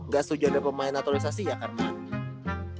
gak setuju ada pemain naturalisasi ya karena